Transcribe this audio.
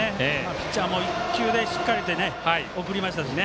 ピッチャーも１球でしっかりと送りましたしね。